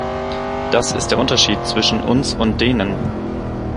Das ist der Unterschied zwischen uns und denen.